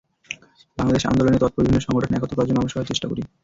বাংলাদেশ আন্দোলনে তত্পর বিভিন্ন সংগঠন একত্র করার জন্য আমরা সবাই চেষ্টা করি।